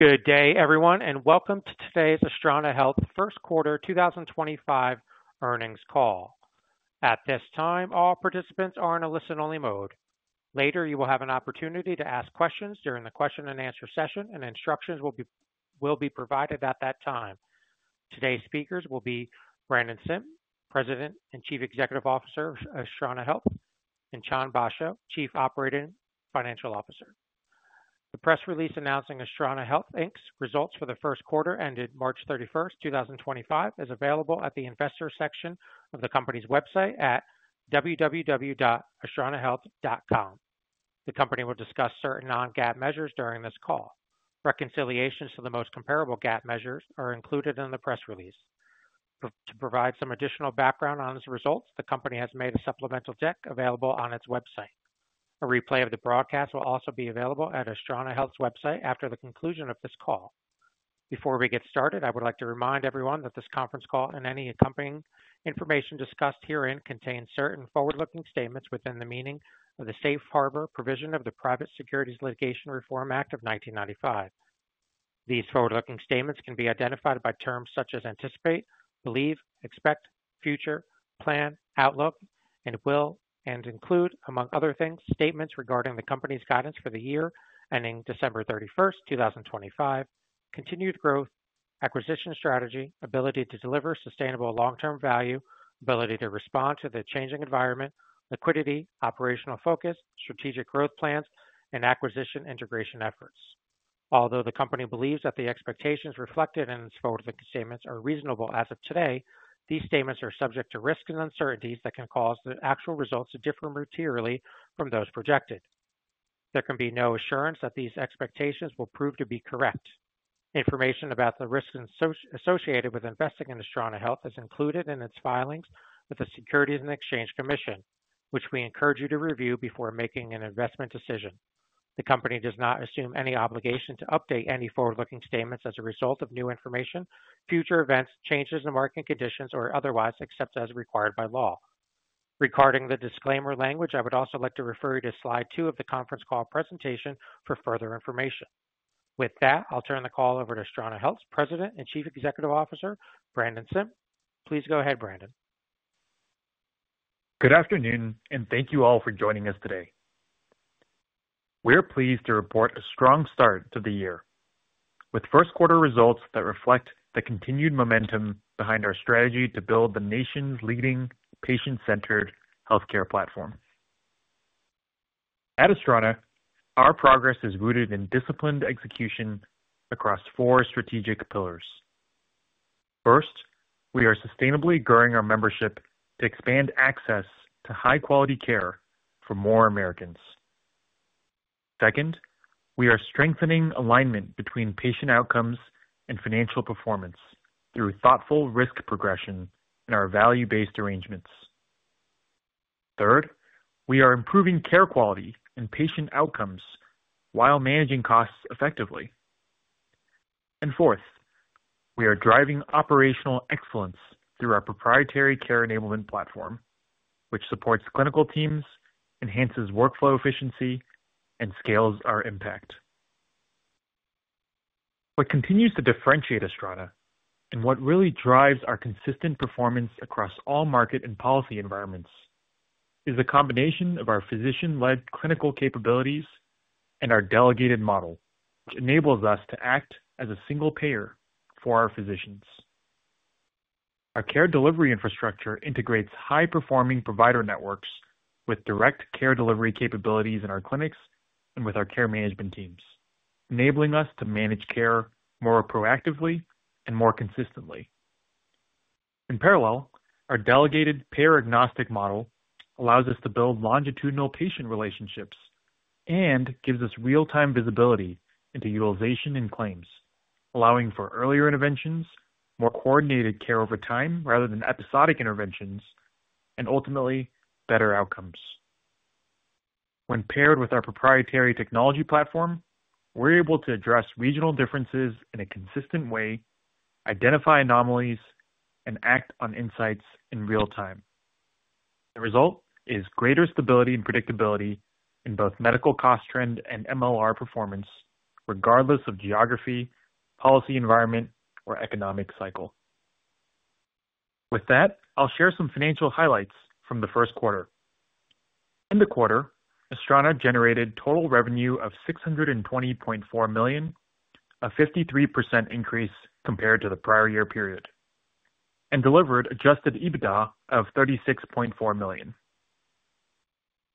Good day, everyone, and welcome to today's Astrana Health first quarter 2025 earnings call. At this time, all participants are in a listen-only mode. Later, you will have an opportunity to ask questions during the question-and-answer session, and instructions will be provided at that time. Today's speakers will be Brandon Sim, President and Chief Executive Officer of Astrana Health, and Chan Basho, Chief Financial Officer. The press release announcing Astrana Health's results for the first quarter ended March 31st 2025, is available at the Investor section of the company's website at www.astranahealth.com. The company will discuss certain non-GAAP measures during this call. Reconciliations to the most comparable GAAP measures are included in the press release. To provide some additional background on the results, the company has made a supplemental deck available on its website. A replay of the broadcast will also be available at Astrana Health's website after the conclusion of this call. Before we get started, I would like to remind everyone that this conference call and any accompanying information discussed herein contain certain forward-looking statements within the meaning of the Safe Harbor Provision of the Private Securities Litigation Reform Act of 1995. These forward-looking statements can be identified by terms such as anticipate, believe, expect, future, plan, outlook, and will, and include, among other things, statements regarding the company's guidance for the year ending December 31st 2025, continued growth, acquisition strategy, ability to deliver sustainable long-term value, ability to respond to the changing environment, liquidity, operational focus, strategic growth plans, and acquisition integration efforts. Although the company believes that the expectations reflected in its forward-looking statements are reasonable as of today, these statements are subject to risks and uncertainties that can cause the actual results to differ materially from those projected. There can be no assurance that these expectations will prove to be correct. Information about the risks associated with investing in Astrana Health is included in its filings with the Securities and Exchange Commission, which we encourage you to review before making an investment decision. The company does not assume any obligation to update any forward-looking statements as a result of new information, future events, changes in market conditions, or otherwise except as required by law. Regarding the disclaimer language, I would also like to refer you to slide two of the conference call presentation for further information. With that, I'll turn the call over to Astrana Health's President and Chief Executive Officer, Brandon Sim. Please go ahead, Brandon. Good afternoon, and thank you all for joining us today. We're pleased to report a strong start to the year with first-quarter results that reflect the continued momentum behind our strategy to build the nation's leading patient-centered healthcare platform. At Astrana, our progress is rooted in disciplined execution across four strategic pillars. First, we are sustainably growing our membership to expand access to high-quality care for more Americans. Second, we are strengthening alignment between patient outcomes and financial performance through thoughtful risk progression in our value-based arrangements. Third, we are improving care quality and patient outcomes while managing costs effectively. Fourth, we are driving operational excellence through our proprietary care enablement platform, which supports clinical teams, enhances workflow efficiency, and scales our impact. What continues to differentiate Astrana and what really drives our consistent performance across all market and policy environments is the combination of our physician-led clinical capabilities and our delegated model, which enables us to act as a single payer for our physicians. Our care delivery infrastructure integrates high-performing provider networks with direct care delivery capabilities in our clinics and with our care management teams, enabling us to manage care more proactively and more consistently. In parallel, our delegated payer-agnostic model allows us to build longitudinal patient relationships and gives us real-time visibility into utilization and claims, allowing for earlier interventions, more coordinated care over time rather than episodic interventions, and ultimately better outcomes. When paired with our proprietary technology platform, we're able to address regional differences in a consistent way, identify anomalies, and act on insights in real time. The result is greater stability and predictability in both medical cost trend and MLR performance, regardless of geography, policy environment, or economic cycle. With that, I'll share some financial highlights from the first quarter. In the quarter, Astrana generated total revenue of $620.4 million, a 53% increase compared to the prior year period, and delivered adjusted EBITDA of $36.4 million.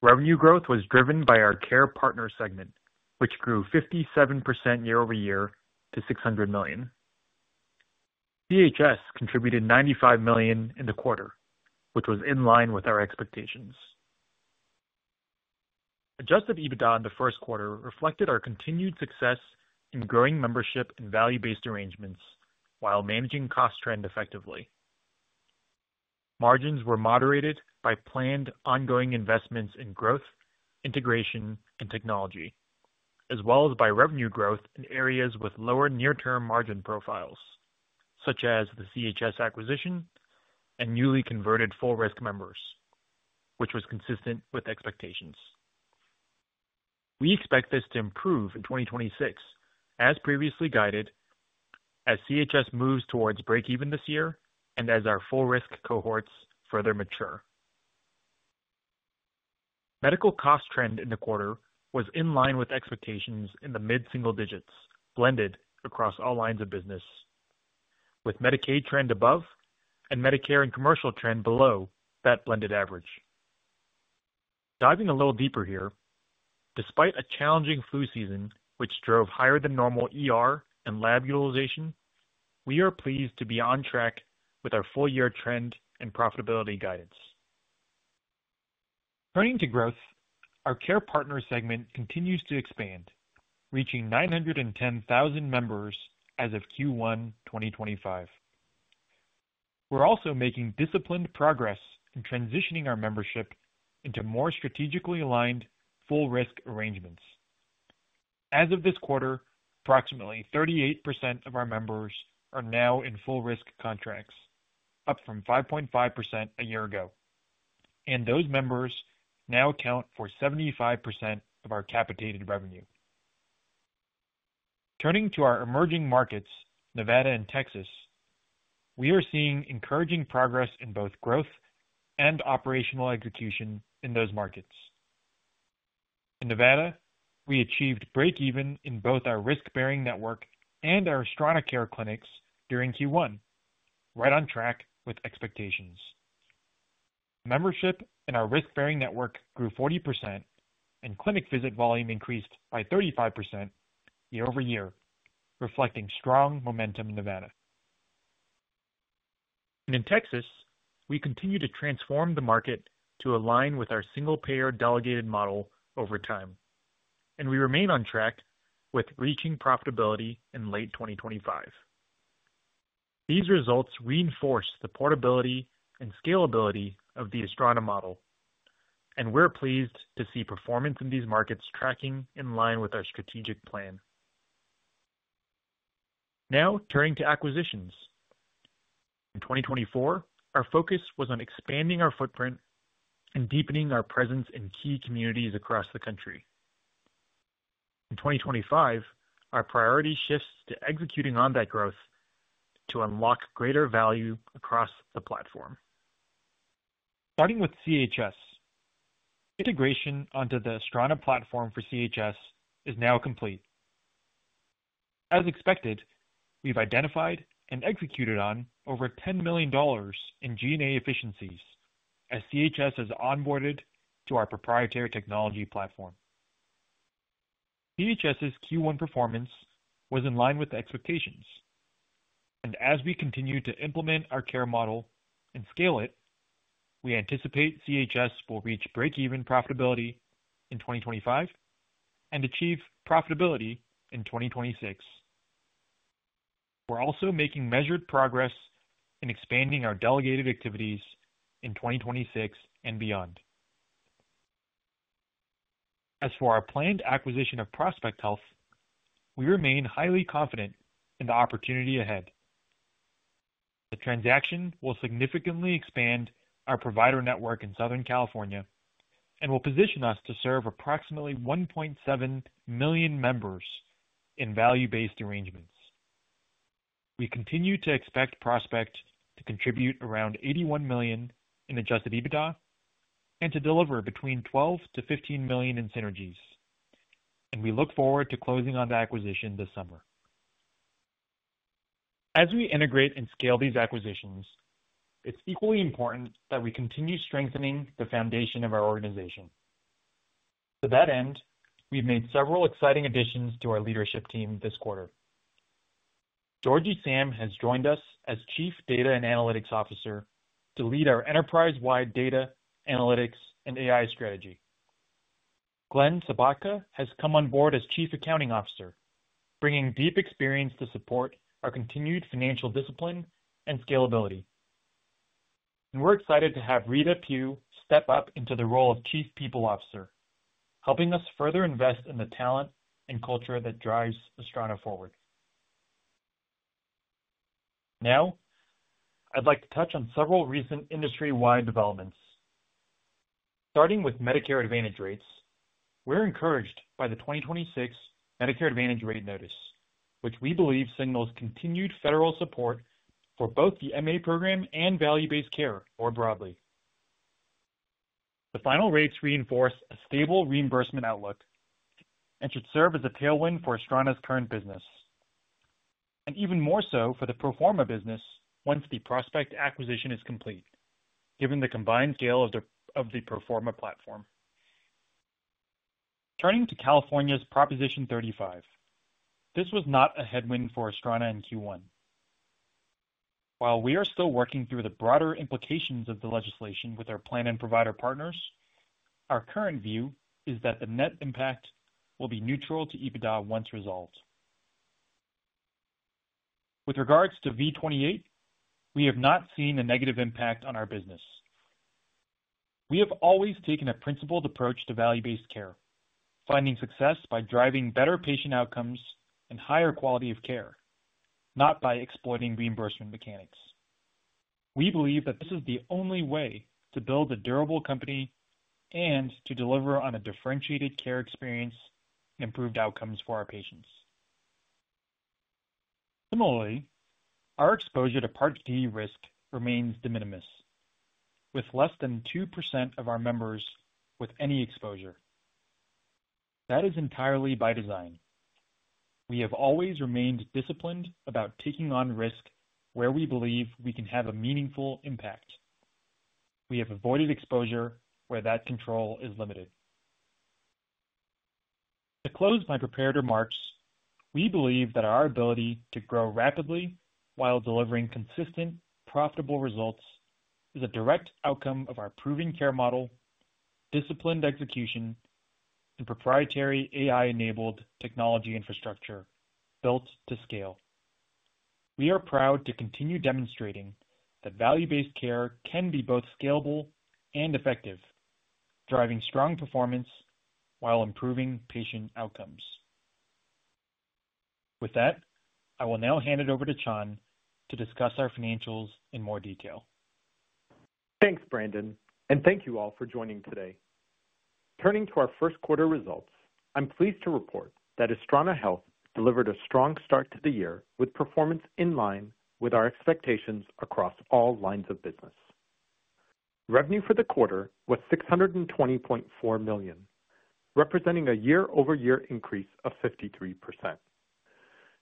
Revenue growth was driven by our care partner segment, which grew 57% year-over-year to $600 million. CHS contributed $95 million in the quarter, which was in line with our expectations. Adjusted EBITDA in the first quarter reflected our continued success in growing membership and value-based arrangements while managing cost trend effectively. Margins were moderated by planned ongoing investments in growth, integration, and technology, as well as by revenue growth in areas with lower near-term margin profiles, such as the CHS acquisition and newly converted full-risk members, which was consistent with expectations. We expect this to improve in 2026, as previously guided, as CHS moves towards break-even this year and as our full-risk cohorts further mature. Medical cost trend in the quarter was in line with expectations in the mid-single digits blended across all lines of business, with Medicaid trend above and Medicare and commercial trend below that blended average. Diving a little deeper here, despite a challenging flu season which drove higher than normal and lab utilization, we are pleased to be on track with our full-year trend and profitability guidance. Turning to growth, our care partner segment continues to expand, reaching 910,000 members as of Q1 2025. We're also making disciplined progress in transitioning our membership into more strategically aligned full-risk arrangements. As of this quarter, approximately 38% of our members are now in full-risk contracts, up from 5.5% a year ago, and those members now account for 75% of our capitated revenue. Turning to our emerging markets, Nevada and Texas, we are seeing encouraging progress in both growth and operational execution in those markets. In Nevada, we achieved break-even in both our risk-bearing network and our Astrana Care clinics during Q1, right on track with expectations. Membership in our risk-bearing network grew 40%, and clinic visit volume increased by 35% year-over-year, reflecting strong momentum in Nevada. In Texas, we continue to transform the market to align with our single-payer delegated model over time, and we remain on track with reaching profitability in late 2025. These results reinforce the portability and scalability of the Astrana model, and we're pleased to see performance in these markets tracking in line with our strategic plan. Now, turning to acquisitions. In 2024, our focus was on expanding our footprint and deepening our presence in key communities across the country. In 2025, our priority shifts to executing on that growth to unlock greater value across the platform. Starting with CHS, integration onto the Astrana platform for CHS is now complete. As expected, we've identified and executed on over $10 million in G&A efficiencies as CHS has onboarded to our proprietary technology platform. CHS's Q1 performance was in line with expectations, and as we continue to implement our care model and scale it, we anticipate CHS will reach break-even profitability in 2025 and achieve profitability in 2026. We're also making measured progress in expanding our delegated activities in 2026 and beyond. As for our planned acquisition of Prospect Health, we remain highly confident in the opportunity ahead. The transaction will significantly expand our provider network in Southern California and will position us to serve approximately 1.7 million members in value-based arrangements. We continue to expect Prospect to contribute around $81 million in adjusted EBITDA and to deliver between $12-$15 million in synergies, and we look forward to closing on the acquisition this summer. As we integrate and scale these acquisitions, it's equally important that we continue strengthening the foundation of our organization. To that end, we've made several exciting additions to our leadership team this quarter. Georgie Sam has joined us as Chief Data and Analytics Officer to lead our enterprise-wide data, analytics, and AI strategy. Glenn Sobotka has come on board as Chief Accounting Officer, bringing deep experience to support our continued financial discipline and scalability. We're excited to have Rita Pew step up into the role of Chief People Officer, helping us further invest in the talent and culture that drives Astrana forward. Now, I'd like to touch on several recent industry-wide developments. Starting with Medicare Advantage rates, we're encouraged by the 2026 Medicare Advantage rate notice, which we believe signals continued federal support for both the MA program and value-based care more broadly. The final rates reinforce a stable reimbursement outlook and should serve as a tailwind for Astrana's current business, and even more so for the Proforma business once the Prospect acquisition is complete, given the combined scale of the Proforma platform. Turning to California's Proposition 35, this was not a headwind for Astrana in Q1. While we are still working through the broader implications of the legislation with our plan and provider partners, our current view is that the net impact will be neutral to EBITDA once resolved. With regards to V28, we have not seen a negative impact on our business. We have always taken a principled approach to value-based care, finding success by driving better patient outcomes and higher quality of care, not by exploiting reimbursement mechanics. We believe that this is the only way to build a durable company and to deliver on a differentiated care experience and improved outcomes for our patients. Similarly, our exposure to Part D risk remains de minimis, with less than 2% of our members with any exposure. That is entirely by design. We have always remained disciplined about taking on risk where we believe we can have a meaningful impact. We have avoided exposure where that control is limited. To close my prepared remarks, we believe that our ability to grow rapidly while delivering consistent, profitable results is a direct outcome of our proven care model, disciplined execution, and proprietary AI-enabled technology infrastructure built to scale. We are proud to continue demonstrating that value-based care can be both scalable and effective, driving strong performance while improving patient outcomes. With that, I will now hand it over to Chan to discuss our financials in more detail. Thanks, Brandon, and thank you all for joining today. Turning to our first-quarter results, I'm pleased to report that Astrana Health delivered a strong start to the year with performance in line with our expectations across all lines of business. Revenue for the quarter was $620.4 million, representing a year-over-year increase of 53%.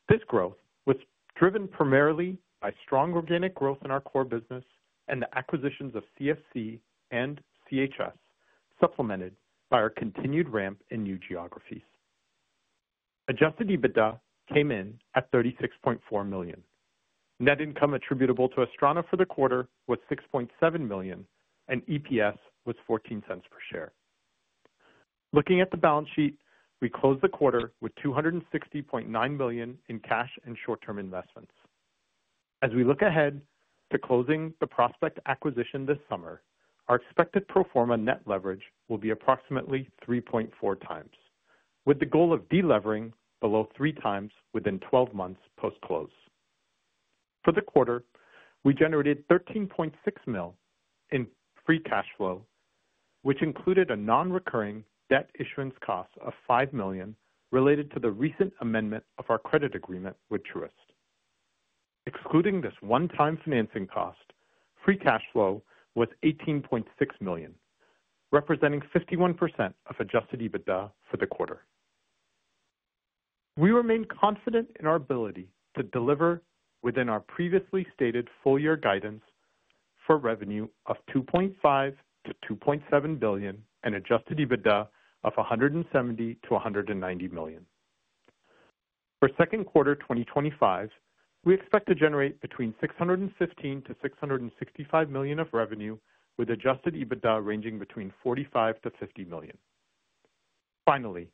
This growth was driven primarily by strong organic growth in our core business and the acquisitions of CFC and CHS, supplemented by our continued ramp in new geographies. Adjusted EBITDA came in at $36.4 million. Net income attributable to Astrana for the quarter was $6.7 million, and EPS was $0.14 per share. Looking at the balance sheet, we closed the quarter with $260.9 million in cash and short-term investments. As we look ahead to closing the Prospect acquisition this summer, our expected pro forma net leverage will be approximately 3.4X, with the goal of delevering below 3X within 12 months post-close. For the quarter, we generated $13.6 million in free cash flow, which included a non-recurring debt issuance cost of $5 million related to the recent amendment of our credit agreement with Truist. Excluding this one-time financing cost, free cash flow was $18.6 million, representing 51% of adjusted EBITDA for the quarter. We remain confident in our ability to deliver within our previously stated full-year guidance for revenue of $2.5 billion-$2.7 billion and adjusted EBITDA of $170 million-$190 million. For second quarter 2025, we expect to generate between $615 million-$665 million of revenue, with adjusted EBITDA ranging between $45 million-$50 million. Finally,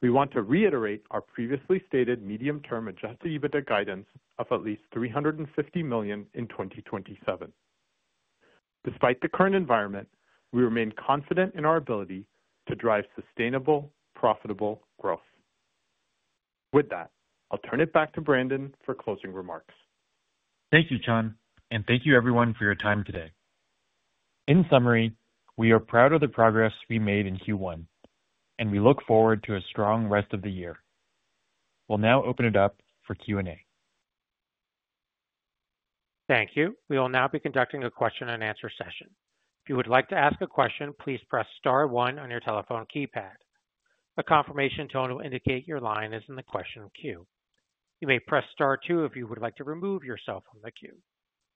we want to reiterate our previously stated medium-term adjusted EBITDA guidance of at least $350 million in 2027. Despite the current environment, we remain confident in our ability to drive sustainable, profitable growth. With that, I'll turn it back to Brandon for closing remarks. Thank you, Chan, and thank you, everyone, for your time today. In summary, we are proud of the progress we made in Q1, and we look forward to a strong rest of the year. We'll now open it up for Q&A. Thank you. We will now be conducting a question-and-answer session. If you would like to ask a question, please press Star 1 on your telephone keypad. A confirmation tone will indicate your line is in the question queue. You may press Star 2 if you would like to remove yourself from the queue.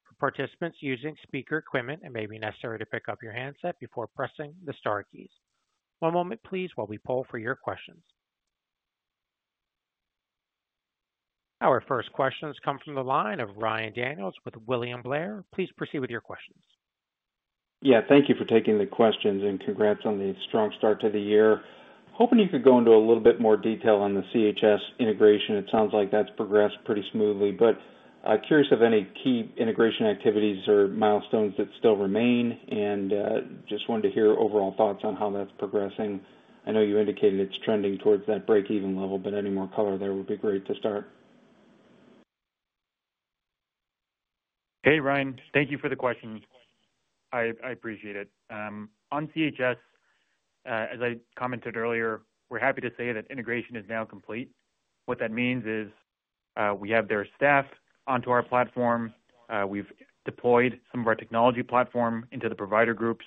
For participants using speaker equipment, it may be necessary to pick up your handset before pressing the Star keys. One moment, please, while we pull for your questions. Our first questions come from the line of Ryan Daniels with William Blair. Please proceed with your questions. Yeah, thank you for taking the questions and congrats on the strong start to the year. Hoping you could go into a little bit more detail on the CHS integration. It sounds like that's progressed pretty smoothly, but curious of any key integration activities or milestones that still remain, and just wanted to hear overall thoughts on how that's progressing. I know you indicated it's trending towards that break-even level, but any more color there would be great to start. Hey, Ryan. Thank you for the question. I appreciate it. On CHS, as I commented earlier, we're happy to say that integration is now complete. What that means is we have their staff onto our platform. We've deployed some of our technology platform into the provider groups.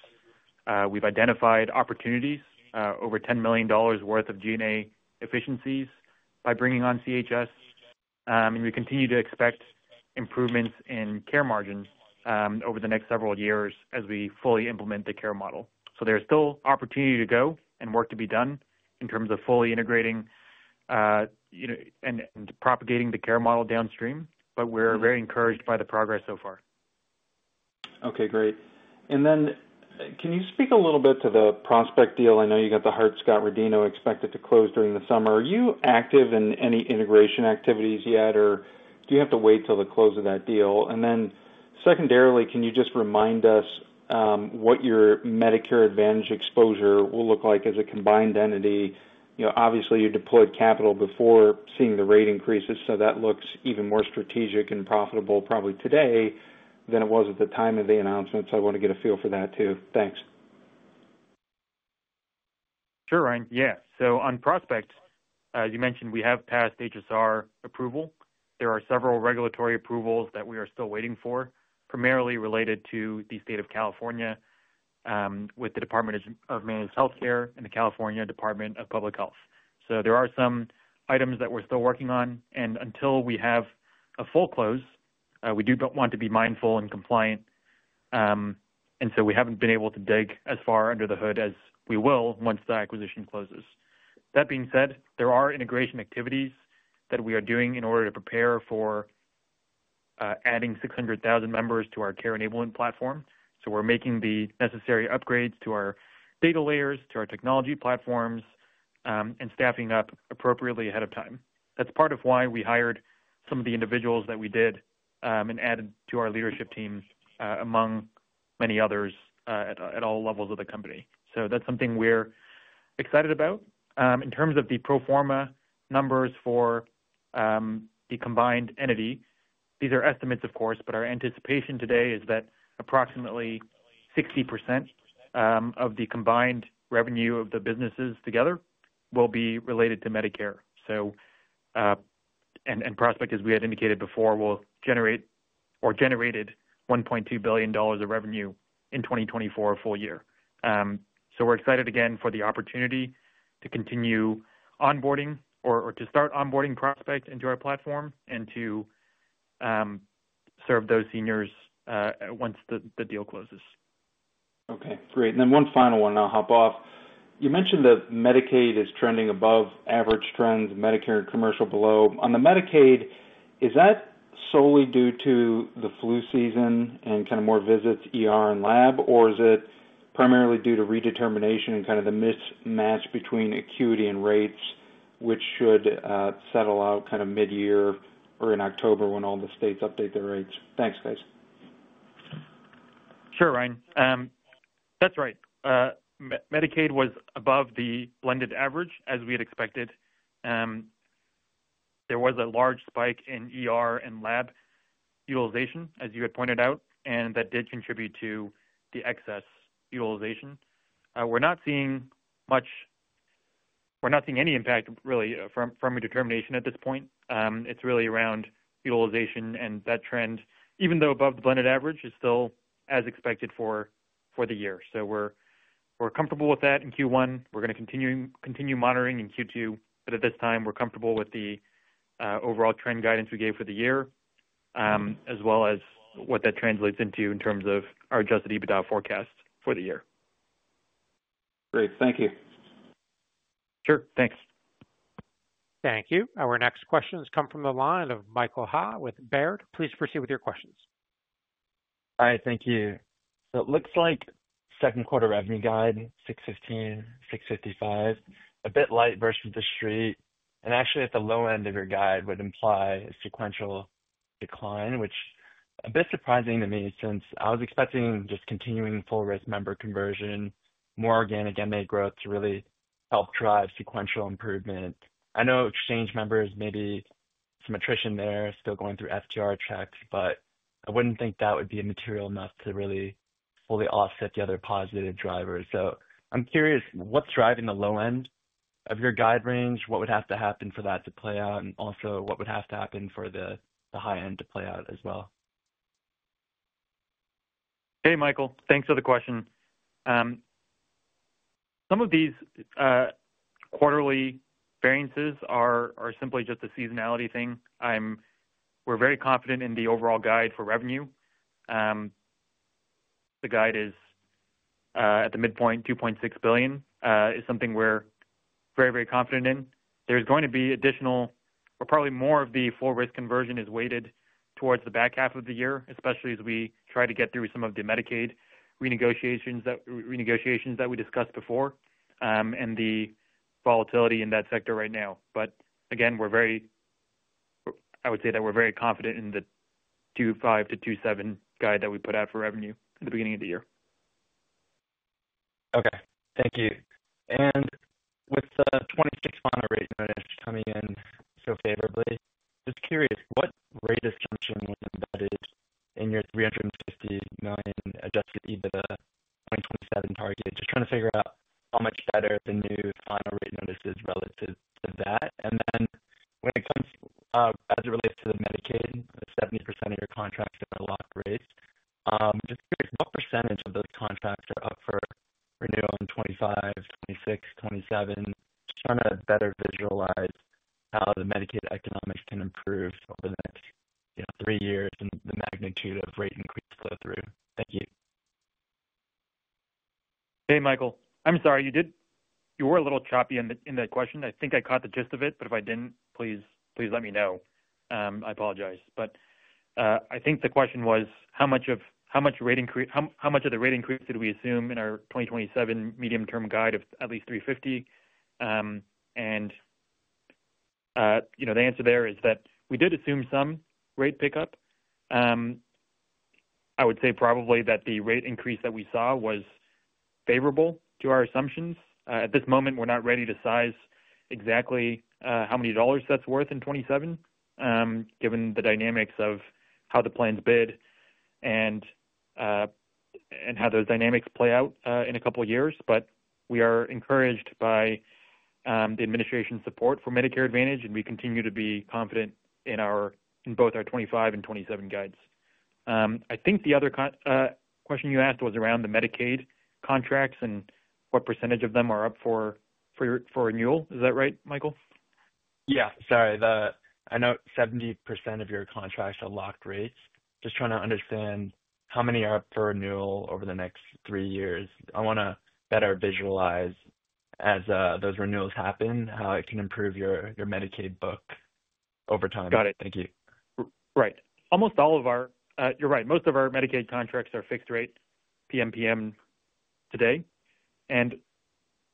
We've identified opportunities over $10 million worth of G&A efficiencies by bringing on CHS, and we continue to expect improvements in care margin over the next several years as we fully implement the care model. There is still opportunity to go and work to be done in terms of fully integrating and propagating the care model downstream, but we're very encouraged by the progress so far. Okay, great. Can you speak a little bit to the Prospect deal? I know you got the Hart-Scott-Rodino expected to close during the summer. Are you active in any integration activities yet, or do you have to wait till the close of that deal? Secondarily, can you just remind us what your Medicare Advantage exposure will look like as a combined entity? Obviously, you deployed capital before seeing the rate increases, so that looks even more strategic and profitable probably today than it was at the time of the announcement. I want to get a feel for that too. Thanks. Sure, Ryan. Yeah, so on Prospect, as you mentioned, we have passed HSR approval. There are several regulatory approvals that we are still waiting for, primarily related to the state of California with the Department of Managed Healthcare and the California Department of Public Health. There are some items that we're still working on, and until we have a full close, we do want to be mindful and compliant, and we haven't been able to dig as far under the hood as we will once the acquisition closes. That being said, there are integration activities that we are doing in order to prepare for adding 600,000 members to our care enablement platform. We're making the necessary upgrades to our data layers, to our technology platforms, and staffing up appropriately ahead of time. That's part of why we hired some of the individuals that we did and added to our leadership team, among many others at all levels of the company. That's something we're excited about. In terms of the pro forma numbers for the combined entity, these are estimates, of course, but our anticipation today is that approximately 60% of the combined revenue of the businesses together will be related to Medicare. Prospect, as we had indicated before, will generate or generated $1.2 billion of revenue in 2024 full year. We're excited again for the opportunity to continue onboarding or to start onboarding Prospect into our platform and to serve those seniors once the deal closes. Okay, great. One final one, and I'll hop off. You mentioned that Medicaid is trending above average trends, Medicare and commercial below. On the Medicaid, is that solely due to the flu season and kind of more visits and lab, or is it primarily due to redetermination and kind of the mismatch between acuity and rates, which should settle out kind of mid-year or in October when all the states update their rates? Thanks, guys. Sure, Ryan. That's right. Medicaid was above the blended average, as we had expected. There was a large spike in and lab utilization, as you had pointed out, and that did contribute to the excess utilization. We're not seeing much—we're not seeing any impact, really, from redetermination at this point. It's really around utilization and that trend, even though above the blended average, is still as expected for the year. We are comfortable with that in Q1. We are going to continue monitoring in Q2, but at this time, we are comfortable with the overall trend guidance we gave for the year, as well as what that translates into in terms of our adjusted EBITDA forecast for the year. Great. Thank you. Sure. Thanks. Thank you. Our next questions come from the line of Michael Ha with Baird. Please proceed with your questions. Hi, thank you. So it looks like second quarter revenue guide, $615 million-$655 million, a bit light versus the street. And actually, at the low end of your guide, it would imply a sequential decline, which is a bit surprising to me since I was expecting just continuing full-risk member conversion, more organic MA growth to really help drive sequential improvement. I know exchange members, maybe some attrition there, still going through FTR checks, but I wouldn't think that would be material enough to really fully offset the other positive drivers. So I'm curious, what's driving the low end of your guide range? What would have to happen for that to play out? And also, what would have to happen for the high end to play out as well? Hey, Michael. Thanks for the question. Some of these quarterly variances are simply just a seasonality thing. We're very confident in the overall guide for revenue. The guide is at the midpoint, $2.6 billion, is something we're very, very confident in. There's going to be additional or probably more of the full-risk conversion is weighted towards the back half of the year, especially as we try to get through some of the Medicaid renegotiations that we discussed before and the volatility in that sector right now. Again, I would say that we're very confident in the $2.5 billion-$2.7 billion guide that we put out for revenue at the beginning of the year. Okay. Thank you. With the 2026 final rate notice coming in so favorably, just curious, what rate assumption was embedded in your $350 million adjusted EBITDA 2027 target? Just trying to figure out how much better the new final rate notice is relative to that. When it comes as it relates to the Medicaid, 70% of your contracts are locked rates. Just curious, what percentage of those contracts are up for renewal in 2025, 2026, 2027? Just trying to better visualize how the Medicaid economics can improve over the next three years and the magnitude of rate increase flow-through. Thank you. Hey, Michael. I'm sorry, you were a little choppy in the question. I think I caught the gist of it, but if I didn't, please let me know. I apologize. I think the question was, how much of the rate increase did we assume in our 2027 medium-term guide of at least $350? The answer there is that we did assume some rate pickup. I would say probably that the rate increase that we saw was favorable to our assumptions. At this moment, we're not ready to size exactly how many dollars that's worth in 2027, given the dynamics of how the plans bid and how those dynamics play out in a couple of years. We are encouraged by the administration's support for Medicare Advantage, and we continue to be confident in both our 2025 and 2027 guides. I think the other question you asked was around the Medicaid contracts and what percentage of them are up for renewal. Is that right, Michael? Yeah. Sorry. I know 70% of your contracts are locked rates. Just trying to understand how many are up for renewal over the next three years. I want to better visualize, as those renewals happen, how it can improve your Medicaid book over time. Got it. Thank you. Right. Almost all of our—you're right. Most of our Medicaid contracts are fixed rate PMPM today. And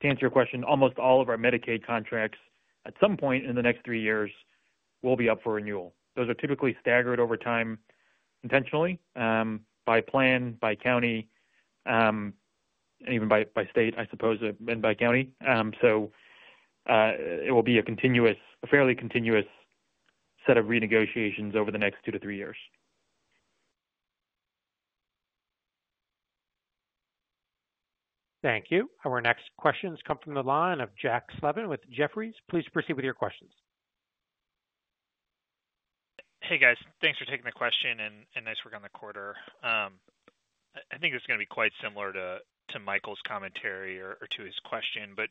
to answer your question, almost all of our Medicaid contracts, at some point in the next three years, will be up for renewal. Those are typically staggered over time intentionally by plan, by county, and even by state, I suppose, and by county. So it will be a fairly continuous set of renegotiations over the next two to three years. Thank you. Our next questions come from the line of Jack Slevin with Jefferies. Please proceed with your questions. Hey, guys. Thanks for taking my question and nice work on the quarter. I think this is going to be quite similar to Michael's commentary or to his question, but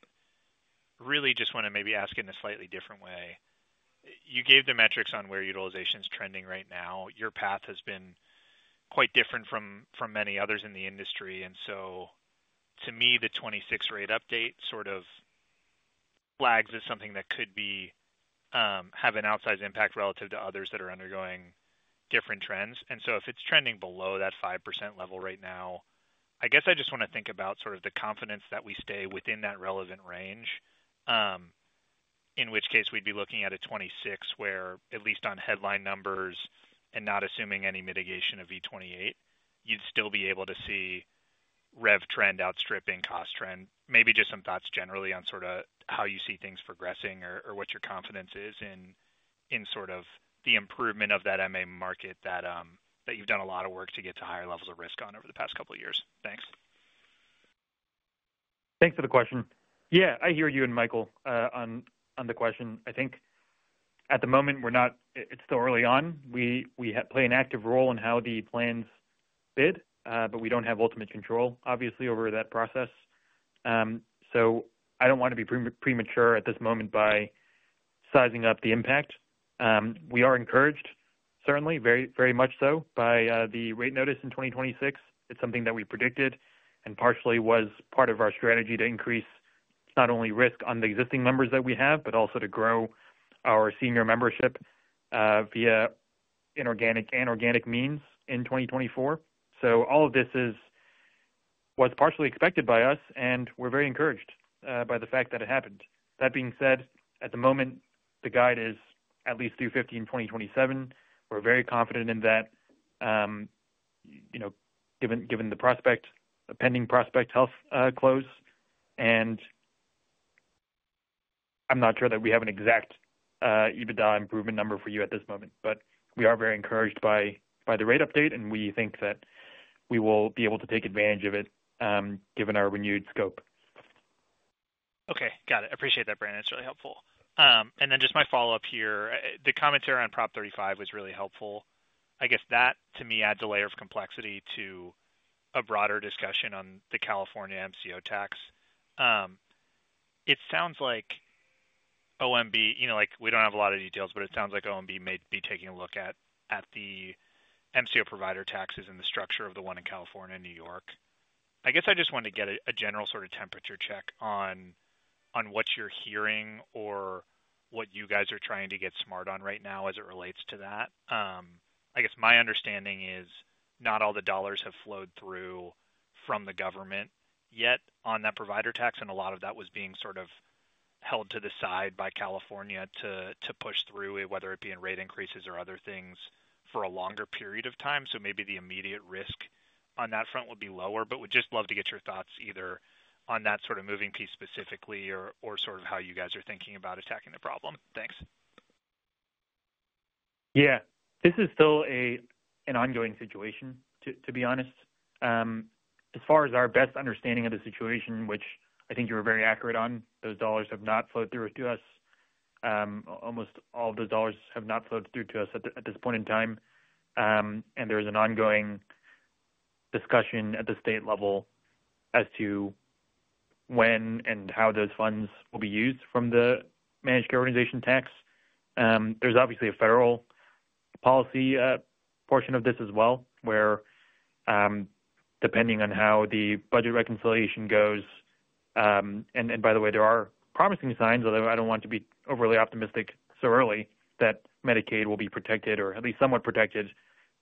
really just want to maybe ask it in a slightly different way. You gave the metrics on where utilization's trending right now. Your path has been quite different from many others in the industry. To me, the 2026 rate update sort of flags as something that could have an outsized impact relative to others that are undergoing different trends. If it's trending below that 5% level right now, I guess I just want to think about sort of the confidence that we stay within that relevant range, in which case we'd be looking at a 26 where, at least on headline numbers and not assuming any mitigation of V28, you'd still be able to see rev trend outstripping cost trend. Maybe just some thoughts generally on sort of how you see things progressing or what your confidence is in sort of the improvement of that MA market that you've done a lot of work to get to higher levels of risk on over the past couple of years. Thanks. Thanks for the question. Yeah, I hear you and Michael on the question. I think at the moment, it's still early on. We play an active role in how the plans bid, but we don't have ultimate control, obviously, over that process. I don't want to be premature at this moment by sizing up the impact. We are encouraged, certainly, very much so by the rate notice in 2026. It's something that we predicted and partially was part of our strategy to increase not only risk on the existing members that we have, but also to grow our senior membership via inorganic and organic means in 2024. All of this was partially expected by us, and we're very encouraged by the fact that it happened. That being said, at the moment, the guide is at least through 2015, 2027. We're very confident in that given the pending Prospect Health close. I'm not sure that we have an exact EBITDA improvement number for you at this moment, but we are very encouraged by the rate update, and we think that we will be able to take advantage of it given our renewed scope. Okay. Got it. Appreciate that, Brian. That's really helpful. My follow-up here, the commentary on Prop 35 was really helpful. I guess that, to me, adds a layer of complexity to a broader discussion on the California MCO tax. It sounds like OMB—we do not have a lot of details, but it sounds like OMB may be taking a look at the MCO provider taxes and the structure of the one in California and New York. I just want to get a general sort of temperature check on what you're hearing or what you guys are trying to get smart on right now as it relates to that. I guess my understanding is not all the dollars have flowed through from the government yet on that provider tax, and a lot of that was being sort of held to the side by California to push through, whether it be in rate increases or other things for a longer period of time. Maybe the immediate risk on that front will be lower, but would just love to get your thoughts either on that sort of moving piece specifically or sort of how you guys are thinking about attacking the problem. Thanks. Yeah. This is still an ongoing situation, to be honest. As far as our best understanding of the situation, which I think you were very accurate on, those dollars have not flowed through to us. Almost all of those dollars have not flowed through to us at this point in time. There is an ongoing discussion at the state level as to when and how those funds will be used from the managed care organization tax. There is obviously a federal policy portion of this as well, where depending on how the budget reconciliation goes—by the way, there are promising signs, although I do not want to be overly optimistic so early that Medicaid will be protected or at least somewhat protected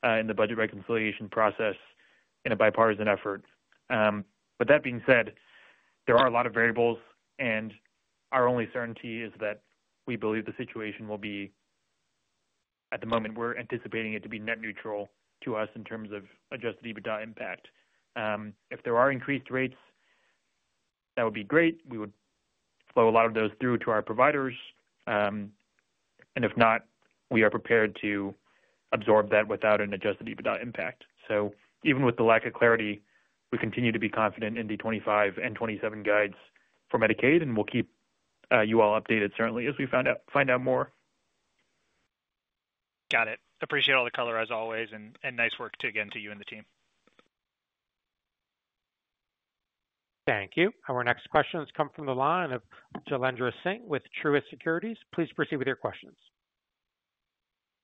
in the budget reconciliation process in a bipartisan effort. That being said, there are a lot of variables, and our only certainty is that we believe the situation will be, at the moment, we're anticipating it to be net neutral to us in terms of adjusted EBITDA impact. If there are increased rates, that would be great. We would flow a lot of those through to our providers. If not, we are prepared to absorb that without an adjusted EBITDA impact. Even with the lack of clarity, we continue to be confident in the 2025 and 2027 guides for Medicaid, and we'll keep you all updated, certainly, as we find out more. Got it. Appreciate all the color, as always, and nice work, again, to you and the team. Thank you. Our next questions come from the line of Jalendra Singh with Truist Securities. Please proceed with your questions.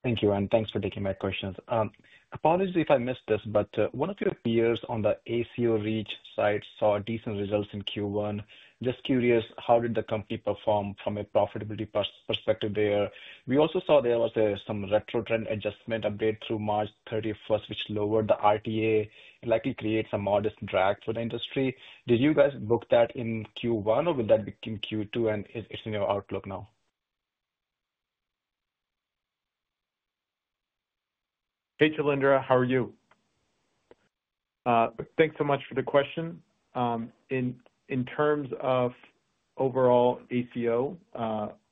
Thank you, and thanks for taking my questions. Apologies if I missed this, but one of your peers on the ACO REACH site saw decent results in Q1. Just curious, how did the company perform from a profitability perspective there? We also saw there was some retro-trend adjustment update through March 31st which lowered the RTA and likely created some modest drag for the industry. Did you guys book that in Q1, or will that be in Q2, and is it in your outlook now? Hey, Jalendra. How are you? Thanks so much for the question. In terms of overall ACO,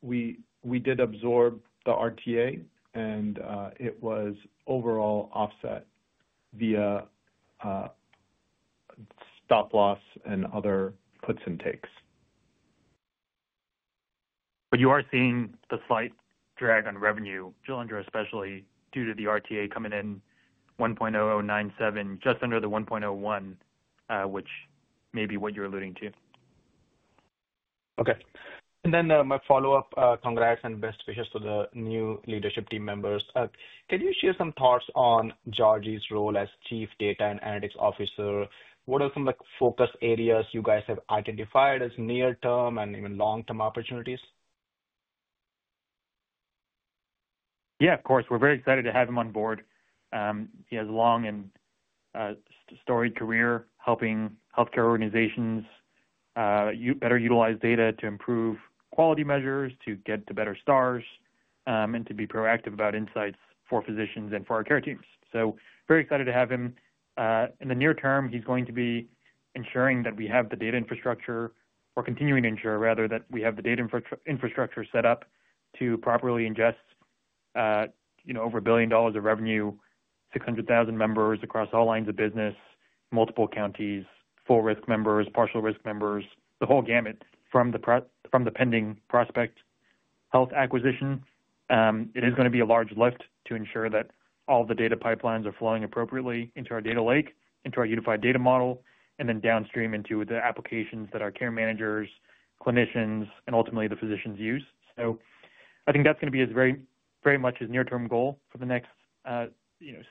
we did absorb the RTA, and it was overall offset via stop-loss and other puts and takes. You are seeing the slight drag on revenue, Jailendra, especially due to the RAF coming in 1.0097, just under the 1.01, which may be what you're alluding to. Okay. And then my follow-up, congrats and best wishes to the new leadership team members. Can you share some thoughts on Georgie Sam's role as Chief Data and Analytics Officer? What are some focus areas you guys have identified as near-term and even long-term opportunities? Yeah, of course. We're very excited to have him on board. He has a long and storied career helping healthcare organizations better utilize data to improve quality measures, to get to better stars, and to be proactive about insights for physicians and for our care teams. So very excited to have him. In the near term, he's going to be ensuring that we have the data infrastructure or continuing to ensure, rather, that we have the data infrastructure set up to properly ingest over $1 billion of revenue, 600,000 members across all lines of business, multiple counties, full-risk members, partial-risk members, the whole gamut from the pending Prospect Health acquisition. It is going to be a large lift to ensure that all the data pipelines are flowing appropriately into our data lake, into our unified data model, and then downstream into the applications that our care managers, clinicians, and ultimately the physicians use. I think that's going to be very much a near-term goal for the next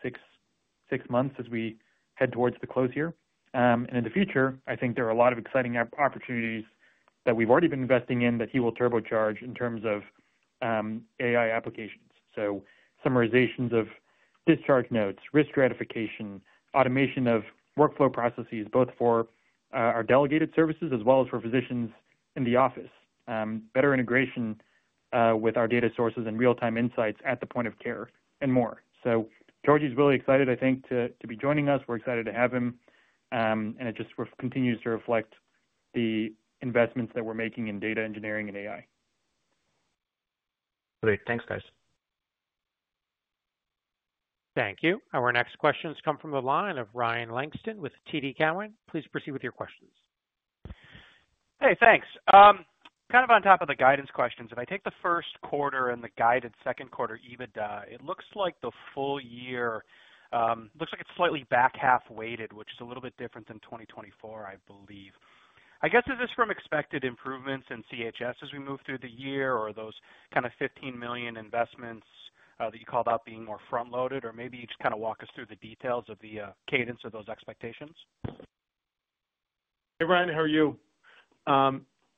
six months as we head towards the close here. In the future, I think there are a lot of exciting opportunities that we've already been investing in that he will turbocharge in terms of AI applications. Summarizations of discharge notes, risk stratification, automation of workflow processes, both for our delegated services as well as for physicians in the office, better integration with our data sources and real-time insights at the point of care, and more. Georgie's really excited, I think, to be joining us. We're excited to have him. It just continues to reflect the investments that we're making in data engineering and AI. Great. Thanks, guys. Thank you. Our next questions come from the line of Ryan Langston with TD Cowen. Please proceed with your questions. Hey, thanks. Kind of on top of the guidance questions, if I take the first quarter and the guided second quarter EBITDA, it looks like the full year looks like it's slightly back half-weighted, which is a little bit different than 2024, I believe. I guess, is this from expected improvements in CHS as we move through the year, or are those kind of $15 million investments that you called out being more front-loaded? Or maybe you just kind of walk us through the details of the cadence of those expectations. Hey, Ryan. How are you?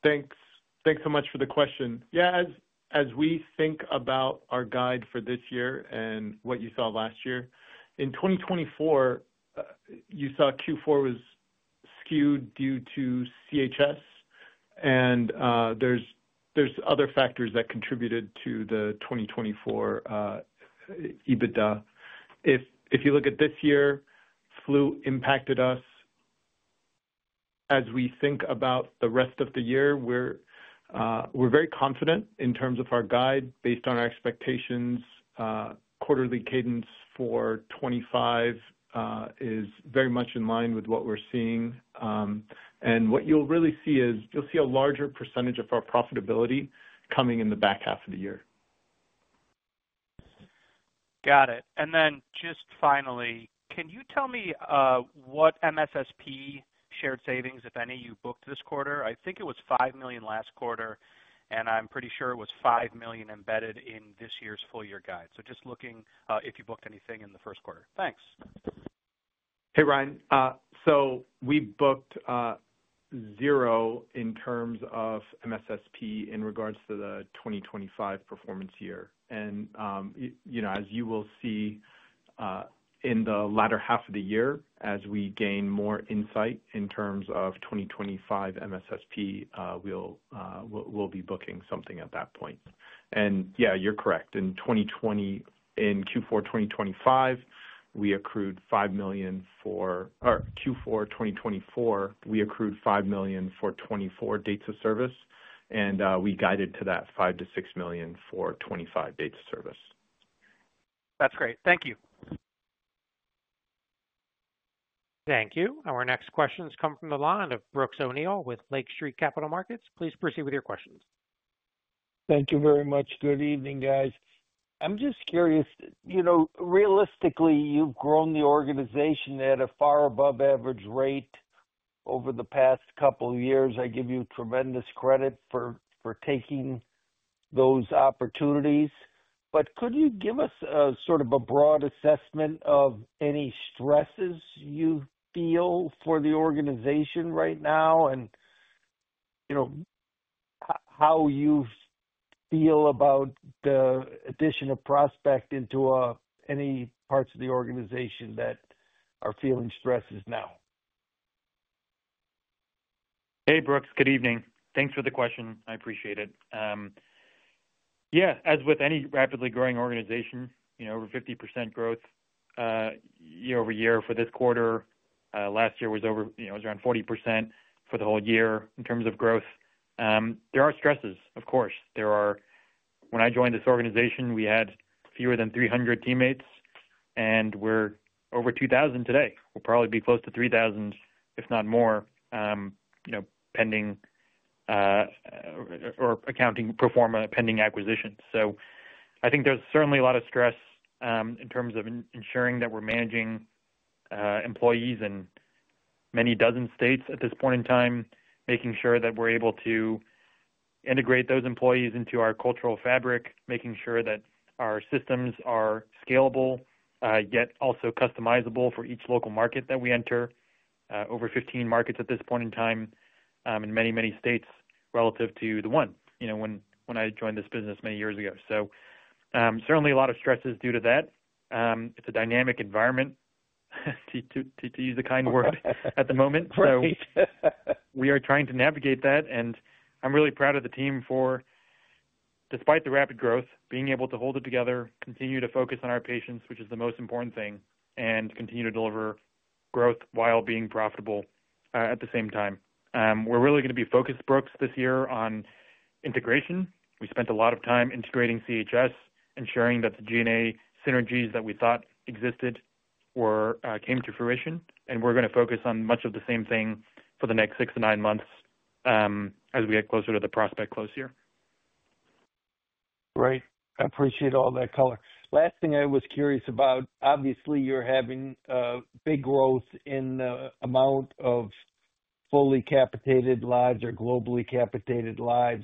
Thanks so much for the question. Yeah, as we think about our guide for this year and what you saw last year, in 2024, you saw Q4 was skewed due to CHS, and there are other factors that contributed to the 2024 EBITDA. If you look at this year, flu impacted us. As we think about the rest of the year, we're very confident in terms of our guide based on our expectations. Quarterly cadence for 2025 is very much in line with what we're seeing. What you'll really see is you'll see a larger percentage of our profitability coming in the back half of the year. Got it. And then just finally, can you tell me what MSSP shared savings, if any, you booked this quarter? I think it was $5 million last quarter, and I'm pretty sure it was $5 million embedded in this year's full-year guide. So just looking if you booked anything in the first quarter. Thanks. Hey, Ryan. We booked zero in terms of MSSP in regards to the 2025 performance year. As you will see in the latter half of the year, as we gain more insight in terms of 2025 MSSP, we'll be booking something at that point. Yeah, you're correct. In Q4 2024, we accrued $5 million for 2024 dates of service, and we guided to that $5 million-$6 million for 2025 dates of service. That's great. Thank you. Thank you. Our next questions come from the line of Brooks O'Neill with Lake Street Capital Markets. Please proceed with your questions. Thank you very much. Good evening, guys. I'm just curious. Realistically, you've grown the organization at a far above-average rate over the past couple of years. I give you tremendous credit for taking those opportunities. Could you give us sort of a broad assessment of any stresses you feel for the organization right now and how you feel about the addition of Prospect into any parts of the organization that are feeling stresses now? Hey, Brooks. Good evening. Thanks for the question. I appreciate it. Yeah, as with any rapidly growing organization, over 50% growth year-over-year for this quarter. Last year was around 40% for the whole year in terms of growth. There are stresses, of course. When I joined this organization, we had fewer than 300 teammates, and we're over 2,000 today. We'll probably be close to 3,000, if not more, accounting for a pending acquisition. I think there's certainly a lot of stress in terms of ensuring that we're managing employees in many dozen states at this point in time, making sure that we're able to integrate those employees into our cultural fabric, making sure that our systems are scalable yet also customizable for each local market that we enter, over 15 markets at this point in time in many, many states relative to the one when I joined this business many years ago. Certainly, a lot of stresses due to that. It's a dynamic environment, to use a kind word, at the moment. We are trying to navigate that, and I'm really proud of the team for, despite the rapid growth, being able to hold it together, continue to focus on our patients, which is the most important thing, and continue to deliver growth while being profitable at the same time. We're really going to be focused, Brooks, this year on integration. We spent a lot of time integrating CHS, ensuring that the G&A synergies that we thought existed came to fruition. We're going to focus on much of the same thing for the next six to nine months as we get closer to the Prospect close year. Right. I appreciate all that color. Last thing I was curious about, obviously, you're having big growth in the amount of fully capitated lives or globally capitated lives.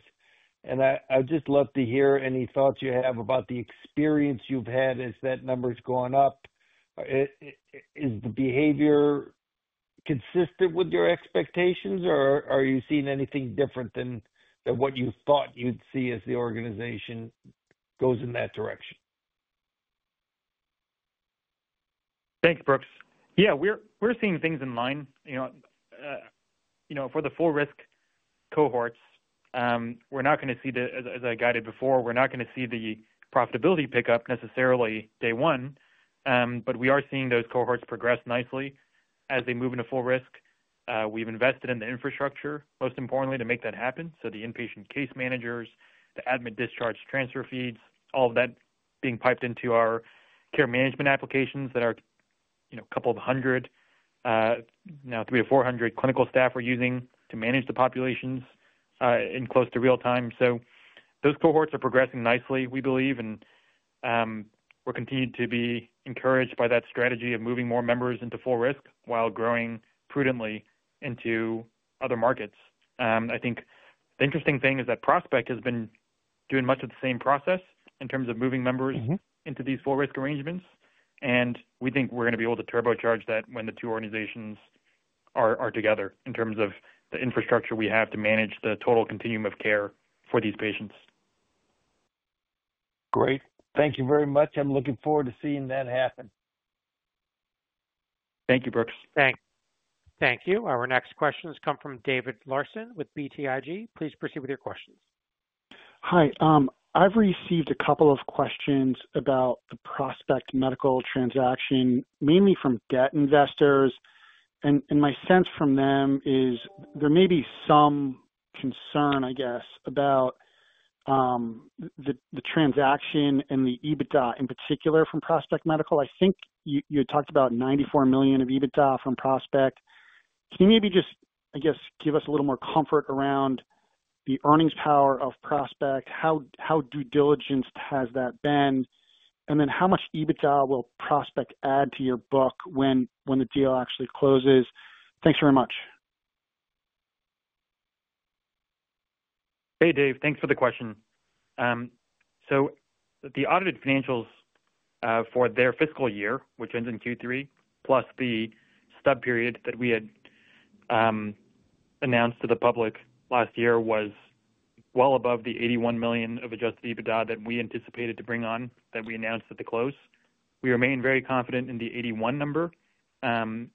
I'd just love to hear any thoughts you have about the experience you've had as that number's gone up. Is the behavior consistent with your expectations, or are you seeing anything different than what you thought you'd see as the organization goes in that direction? Thanks, Brooks. Yeah, we're seeing things in line. For the full-risk cohorts, we're not going to see the, as I guided before, we're not going to see the profitability pickup necessarily day one. But we are seeing those cohorts progress nicely as they move into full risk. We've invested in the infrastructure, most importantly, to make that happen. The inpatient case managers, the admin discharge transfer feeds, all of that being piped into our care management applications that are a couple of hundred, now 300 or 400 clinical staff we're using to manage the populations in close to real time. Those cohorts are progressing nicely, we believe, and we're continuing to be encouraged by that strategy of moving more members into full risk while growing prudently into other markets. I think the interesting thing is that Prospect Health has been doing much of the same process in terms of moving members into these full-risk arrangements. We think we're going to be able to turbocharge that when the two organizations are together in terms of the infrastructure we have to manage the total continuum of care for these patients. Great. Thank you very much. I'm looking forward to seeing that happen. Thank you, Brooks. Thanks. Thank you. Our next questions come from David Larson with BTIG. Please proceed with your questions. Hi. I've received a couple of questions about the Prospect Medical transaction, mainly from debt investors. My sense from them is there may be some concern, I guess, about the transaction and the EBITDA in particular from Prospect Medical. I think you had talked about $94 million of EBITDA from Prospect. Can you maybe just, I guess, give us a little more comfort around the earnings power of Prospect? How due diligence has that been? How much EBITDA will Prospect add to your book when the deal actually closes? Thanks very much. Hey, Dave. Thanks for the question. The audited financials for their fiscal year, which ends in Q3, plus the stub period that we had announced to the public last year was well above the $81 million of adjusted EBITDA that we anticipated to bring on that we announced at the close. We remain very confident in the 81 number. I'm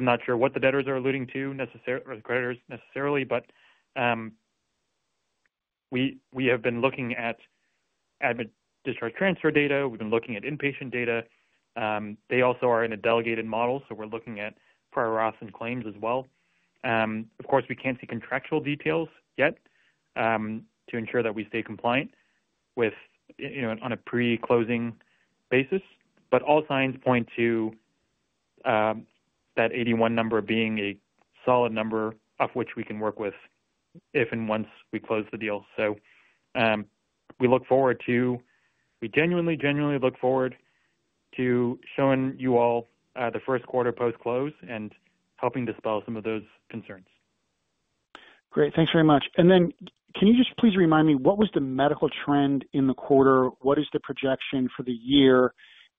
not sure what the debtors are alluding to or the creditors necessarily, but we have been looking at admin discharge transfer data. We've been looking at inpatient data. They also are in a delegated model, so we're looking at prior auths and claims as well. Of course, we can't see contractual details yet to ensure that we stay compliant on a pre-closing basis. All signs point to that 81 number being a solid number of which we can work with if and once we close the deal. We genuinely, genuinely look forward to showing you all the first quarter post-close and helping dispel some of those concerns. Great. Thanks very much. Can you just please remind me, what was the medical trend in the quarter? What is the projection for the year?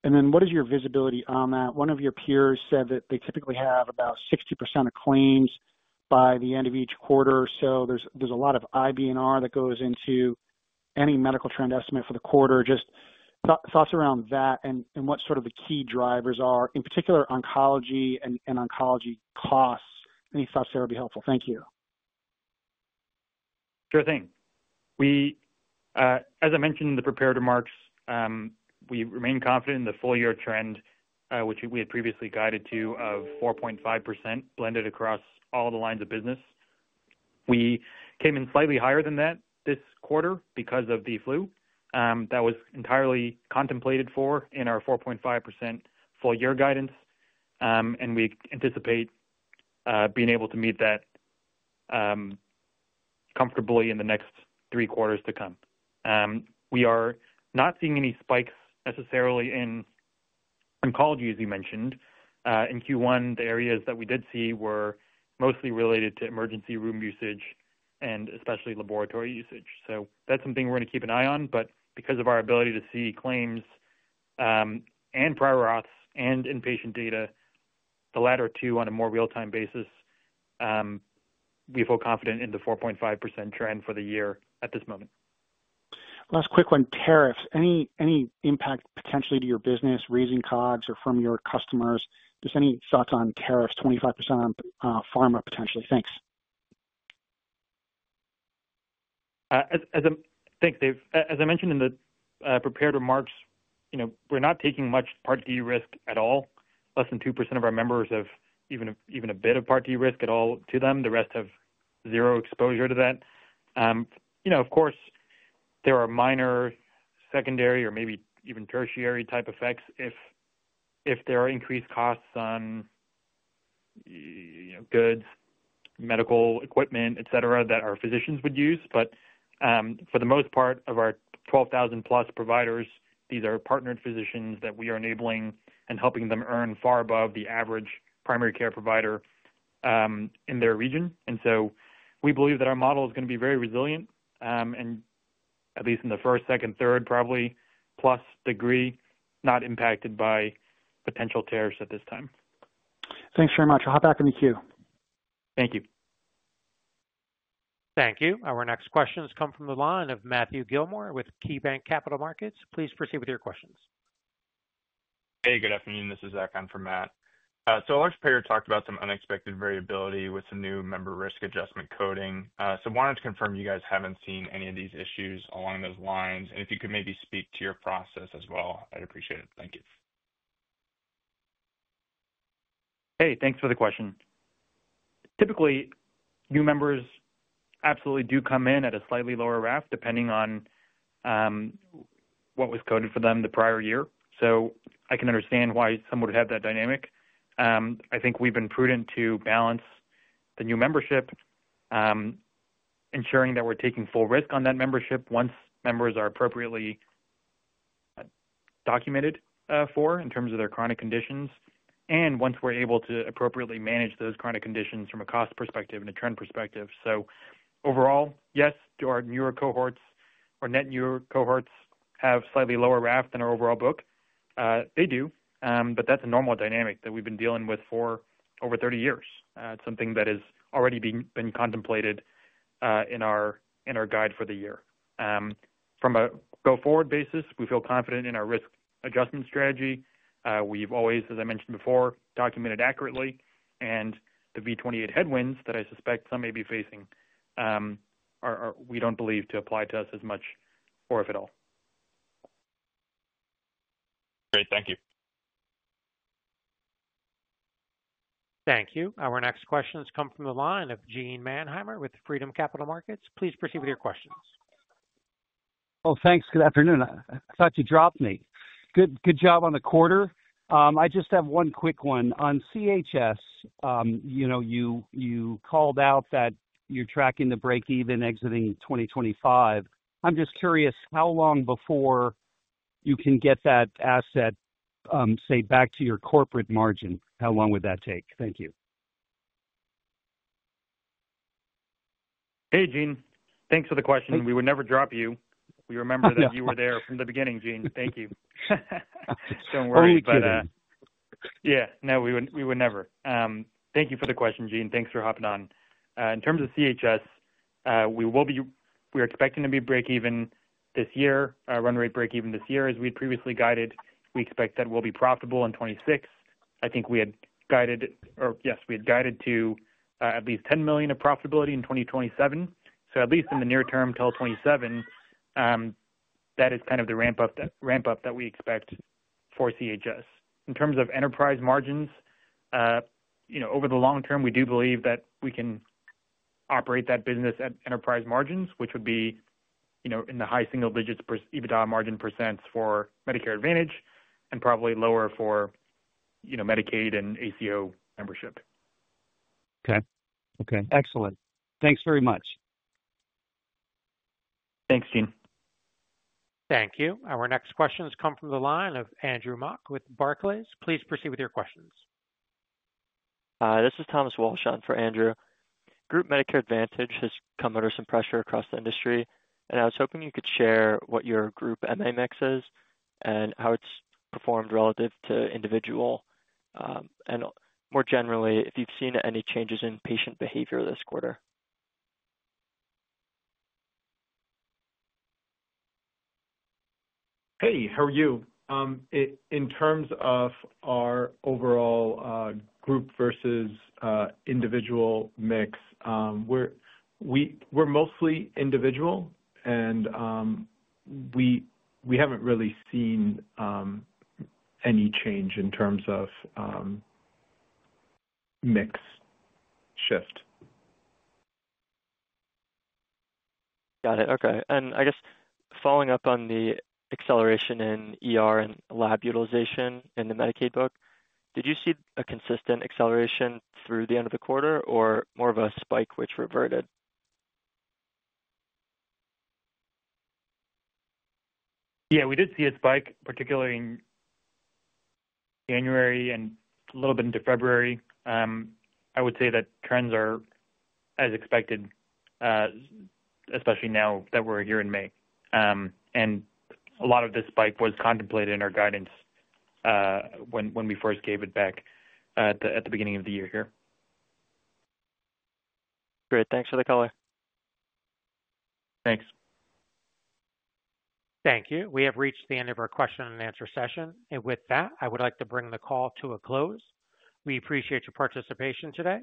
What is your visibility on that? One of your peers said that they typically have about 60% of claims by the end of each quarter. There is a lot of IBNR that goes into any medical trend estimate for the quarter. Just thoughts around that and what sort of the key drivers are, in particular, oncology and oncology costs. Any thoughts there would be helpful. Thank you. Sure thing. As I mentioned in the preparatory marks, we remain confident in the full-year trend, which we had previously guided to of 4.5% blended across all the lines of business. We came in slightly higher than that this quarter because of the flu. That was entirely contemplated for in our 4.5% full-year guidance. We anticipate being able to meet that comfortably in the next three quarters to come. We are not seeing any spikes necessarily in oncology, as you mentioned. In Q1, the areas that we did see were mostly related to emergency room usage and especially laboratory usage. That is something we are going to keep an eye on. Because of our ability to see claims and prior auths and inpatient data, the latter two on a more real-time basis, we feel confident in the 4.5% trend for the year at this moment. Last quick one, tariffs. Any impact potentially to your business, raising COGS or from your customers? Just any thoughts on tariffs, 25% on pharma potentially? Thanks. Thanks, Dave. As I mentioned in the preparatory marks, we're not taking much Part D risk at all. Less than 2% of our members have even a bit of Part D risk at all to them. The rest have zero exposure to that. Of course, there are minor secondary or maybe even tertiary type effects if there are increased costs on goods, medical equipment, etc., that our physicians would use. For the most part of our 12,000-plus providers, these are partnered physicians that we are enabling and helping them earn far above the average primary care provider in their region. We believe that our model is going to be very resilient and at least in the first, second, third, probably plus degree, not impacted by potential tariffs at this time. Thanks very much. I'll hop back on the queue. Thank you. Thank you. Our next questions come from the line of Matthew Dale Gillmor with KeyBank Capital Markets. Please proceed with your questions. Hey, good afternoon. This is Zach Hunt for Matt. Our preparator talked about some unexpected variability with some new member risk adjustment coding. I wanted to confirm you guys have not seen any of these issues along those lines. If you could maybe speak to your process as well, I would appreciate it. Thank you. Hey, thanks for the question. Typically, new members absolutely do come in at a slightly lower RAF depending on what was coded for them the prior year. I can understand why some would have that dynamic. I think we've been prudent to balance the new membership, ensuring that we're taking full risk on that membership once members are appropriately documented for in terms of their chronic conditions and once we're able to appropriately manage those chronic conditions from a cost perspective and a trend perspective. Overall, yes, our newer cohorts or net newer cohorts have slightly lower RAF than our overall book. They do. That's a normal dynamic that we've been dealing with for over 30 years. It's something that has already been contemplated in our guide for the year. From a go-forward basis, we feel confident in our risk adjustment strategy. We've always, as I mentioned before, documented accurately. The V28 headwinds that I suspect some may be facing, we don't believe to apply to us as much or if at all. Great. Thank you. Thank you. Our next questions come from the line of Jean Manheimer with Freedom Capital Markets. Please proceed with your questions. Oh, thanks. Good afternoon. I thought you dropped me. Good job on the quarter. I just have one quick one. On CHS, you called out that you're tracking the break-even exiting 2025. I'm just curious how long before you can get that asset, say, back to your corporate margin? How long would that take? Thank you. Hey, Jean. Thanks for the question. We would never drop you. We remember that you were there from the beginning, Jean. Thank you. Do not worry. Yeah, no, we would never. Thank you for the question, Jean. Thanks for hopping on. In terms of CHS, we are expecting to be break-even this year, run rate break-even this year. As we had previously guided, we expect that we will be profitable in 2026. I think we had guided or yes, we had guided to at least $10 million of profitability in 2027. At least in the near term till 2027, that is kind of the ramp-up that we expect for CHS. In terms of enterprise margins, over the long term, we do believe that we can operate that business at enterprise margins, which would be in the high single digits EBITDA margin % for Medicare Advantage and probably lower for Medicaid and ACO membership. Okay. Okay. Excellent. Thanks very much. Thanks, Jean. Thank you. Our next questions come from the line of Andrew Mok with Barclays. Please proceed with your questions. This is Thomas Walsh on for Andrew. Group Medicare Advantage has come under some pressure across the industry. I was hoping you could share what your group MA mix is and how it's performed relative to individual. More generally, if you've seen any changes in patient behavior this quarter. Hey, how are you? In terms of our overall group versus individual mix, we're mostly individual, and we haven't really seen any change in terms of mix shift. Got it. Okay. I guess following up on the acceleration in and lab utilization in the Medicaid book, did you see a consistent acceleration through the end of the quarter or more of a spike which reverted? Yeah, we did see a spike, particularly in January and a little bit into February. I would say that trends are as expected, especially now that we're here in May. A lot of this spike was contemplated in our guidance when we first gave it back at the beginning of the year here. Great. Thanks for the color. Thanks. Thank you. We have reached the end of our question-and-answer session. With that, I would like to bring the call to a close. We appreciate your participation today.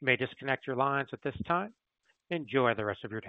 You may disconnect your lines at this time. Enjoy the rest of your day.